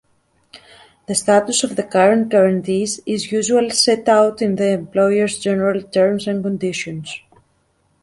The status of the current guarantees is usually set out in the employer’s general terms and conditions.